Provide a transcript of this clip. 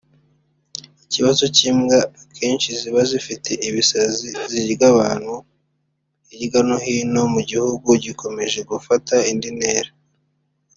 Ikibazo cy’imbwa akenshi ziba zifite ibisazi zirya abantu hirya no hino mu gihugu gikomeje gufata indi ntera